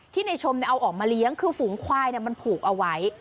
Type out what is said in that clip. ในชมเอาออกมาเลี้ยงคือฝูงควายมันผูกเอาไว้